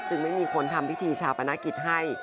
ไม่มีคนทำพิธีชาปนกิจให้